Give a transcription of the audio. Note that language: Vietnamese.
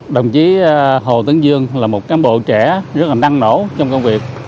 đồng chí hồ tướng dương là một cán bộ trẻ rất là năng nổ trong công việc